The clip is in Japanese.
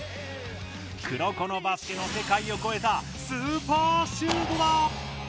「黒子のバスケ」の世界を超えたスーパーシュートだ！